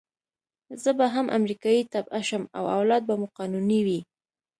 زه به هم امریکایي تبعه شم او اولاد به مو قانوني وي.